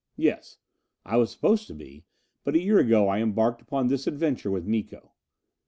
"Yes, I was supposed to be. But a year ago I embarked upon this adventure with Miko."